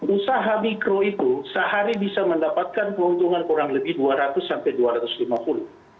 usaha mikro itu sehari bisa mendapatkan keuntungan kurang lebih dua ratus sampai dua ratus lima puluh